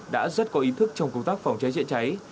đã rất có ý thức trong công tác phòng cháy chữa cháy